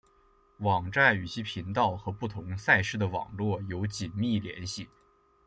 网站与其频道和不同赛事的网络有紧密联系。